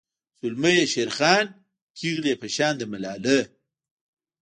زلمي یی شیرخان پیغلۍ په شان د ملالۍ